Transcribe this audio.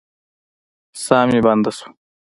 ساه مي بنده سوه.